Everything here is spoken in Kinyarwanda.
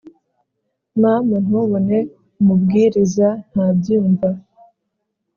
mama ntubone, umubwiriza ntabyumva